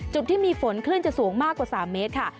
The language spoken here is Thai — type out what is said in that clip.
จุดที่มีฝนคลื่นจะสูงมากกว่า๓เมตรค่ะ